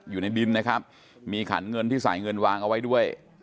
อยู่ในดินนะครับมีขันเงินที่สายเงินวางเอาไว้ด้วย